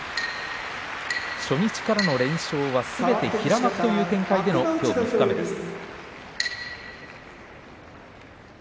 初日からの連勝はすべて平幕という展開のきょう三日目です。